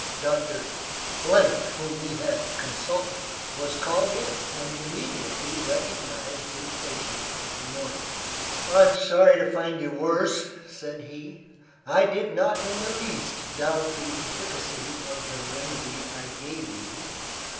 Doctor , whom he had consulted, was called in, and immediately recognised his patient of the morning. "I'm sorry to find you worse," said he. "I did not in the least doubt the efficacy of the remedy I gave you.